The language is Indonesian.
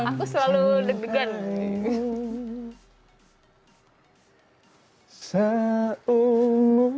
aku selalu deg degan